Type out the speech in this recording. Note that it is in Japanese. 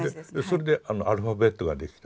それでアルファベットができた。